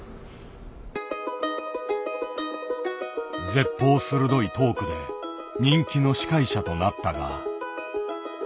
舌鋒鋭いトークで人気の司会者となったが。